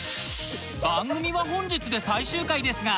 番組は本日で最終回ですが